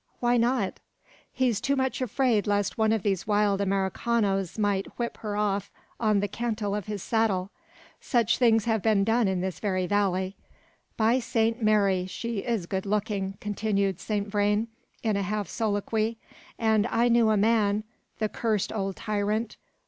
"Why not?" "He's too much afraid lest one of these wild Americanos might whip her off on the cantle of his saddle. Such things have been done in this very valley. By Saint Mary! she is good looking," continued Saint Vrain, in a half soliloquy, "and I knew a man the cursed old tyrant!